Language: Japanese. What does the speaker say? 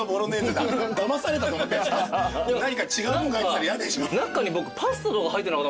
何か違うもんが入ってたら嫌でしょ。